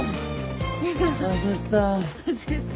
あ焦った。